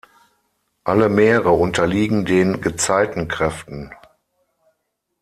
Alle Meere unterliegen den Gezeitenkräften.